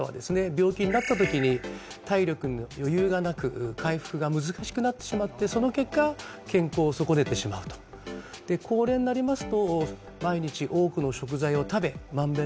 病気になった時に体力に余裕がなく回復が難しくなってしまってその結果健康を損ねてしまうとというふうに考えています